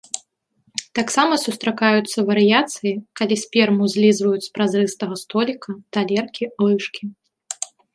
Таксама сустракаюцца варыяцыі, калі сперму злізваюць з празрыстага століка, талеркі, лыжкі.